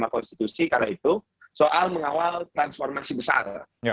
karena konstitusi karena itu soal mengawal transformasi besar